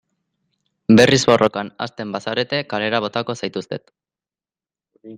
Berriz borrokan hasten bazarete kalera botako zaituztet.